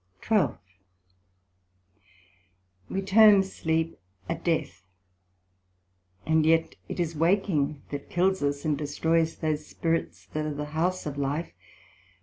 SECT.12 We term sleep a death, and yet it is waking that kills us, and destroys those spirits that are the house of life.